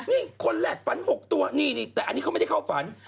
นี่คนแรกฝัน๖ตัวนี่แต่อันนี้เขาไม่ได้เข้าฝัน